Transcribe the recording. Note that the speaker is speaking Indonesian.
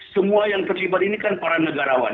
semua yang terlibat ini kan para negarawan